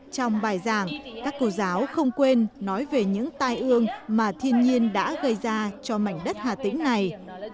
trong bài giảng các cô giáo không quên nói về những tai ương mà thiên nhiên đã gây ra cho mảnh đất hà tĩnh này